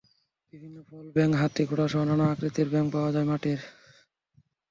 বিভিন্ন ফল, ব্যাঙ, হাতি, ঘোড়াসহ নানা আকৃতির ব্যাংক পাওয়া যায় মাটির।